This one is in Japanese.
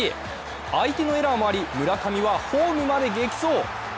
相手のエラーもあり、村上はホームまで激走。